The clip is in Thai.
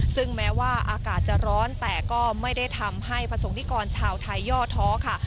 ซึ่งแม้ว่าอากาศจะร้อนแต่ก็ไม่ได้ทำให้ประสงค์นิกรชาวไทยย่อท้อค่ะ